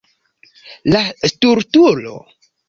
La stultulo.